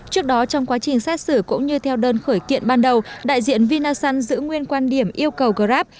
trước đó trong quá trình xét xử cũng như theo đơn khởi kiện ban đầu đại diện vinasun giữ nguyên quan điểm yêu cầu grab